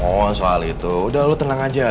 oh soal itu udah lu tenang aja